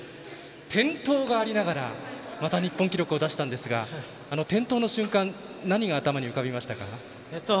転倒がありながら日本記録を出したんですが転倒の瞬間、何が頭に浮かびましたか？